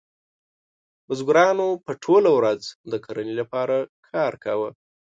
بزګرانو به ټوله ورځ د کرنې لپاره کار کاوه.